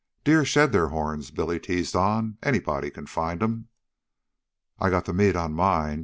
"Deer shed their horns," Billy teased on. "Anybody can find 'em." "I got the meat on mine.